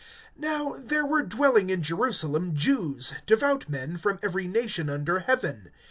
(5)Now there were dwelling in Jerusalem, Jews, devout men, from every nation under heaven.